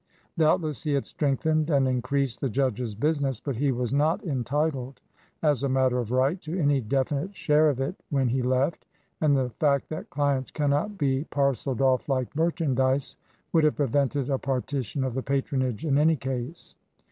Doubtless he had strengthened and increased the judge's business, but he was not entitled, as a matter of right, to any definite share of it when he left, and the fact that clients cannot be par celed off like merchandise would have prevented a partition of the patronage in any case.